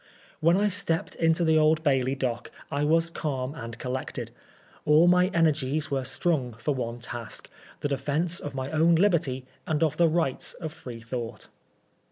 When I stepped into the Old Bailey dock I was calm and collected. All my energies were strung for one task — ^the defence of my own liberty and of the rights of Freethought.